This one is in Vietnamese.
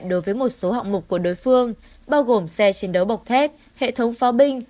đối với một số hạng mục của đối phương bao gồm xe chiến đấu bọc thép hệ thống pháo binh